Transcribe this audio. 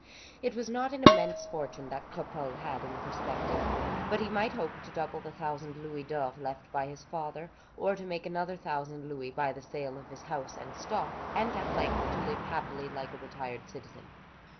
It was not an immense fortune that Cropole had in perspective; but he might hope to double the thousand louis d'or left by his father, to make another thousand louis by the sale of his house and stock, and at length to live happily like a retired citizen.